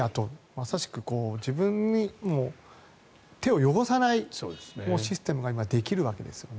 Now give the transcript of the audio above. まさしく自分が手を汚さないシステムができるわけですね。